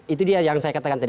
itu dia yang saya katakan tadi